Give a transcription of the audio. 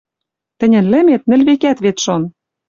Тӹньӹн лӹмет нӹл векӓт вет шон.